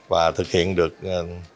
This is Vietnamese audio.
và thực hiện được tất cả các mô hình